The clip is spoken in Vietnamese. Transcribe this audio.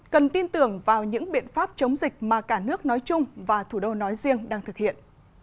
cần tin tưởng vào những biện pháp chống dịch mà cả nước nói chung và thủ đô nói riêng đang thực hiện